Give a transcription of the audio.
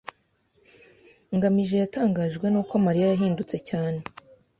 ngamije yatangajwe nuko Mariya yahindutse cyane.